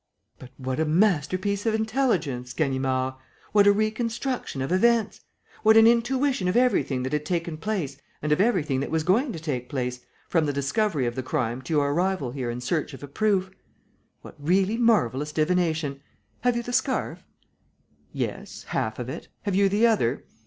But what a masterpiece of intelligence! Ganimard, what a reconstruction of events! What an intuition of everything that had taken place and of everything that was going to take place, from the discovery of the crime to your arrival here in search of a proof! What really marvellous divination! Have you the scarf?" "Yes, half of it. Have you the other?"